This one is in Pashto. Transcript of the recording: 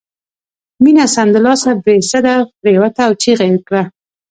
مينه سمدلاسه بې سده پرېوته او چيغه یې کړه